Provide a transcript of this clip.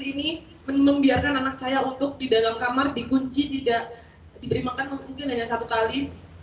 ini membiarkan anak saya untuk di dalam kamar dikunci tidak diberi makan mungkin hanya satu kali